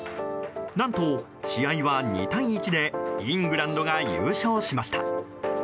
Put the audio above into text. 何と試合は２対１でイングランドが優勝しました。